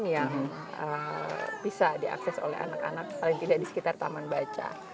yang bisa diakses oleh anak anak paling tidak di sekitar taman baca